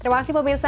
terima kasih pemirsa